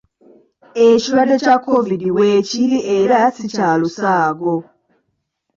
Ekirwadde kya Kovidi weekiri era si kya lusaago.